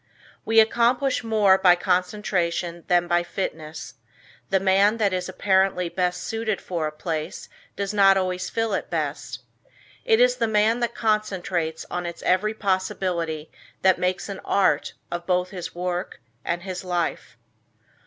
We accomplish more by concentration than by fitness; the man that is apparently best suited for a place does not always fill it best. It is the man that concentrates on its every possibility that makes an art of both his work and his life.